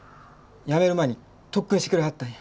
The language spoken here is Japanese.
辞める前に特訓してくれはったんや。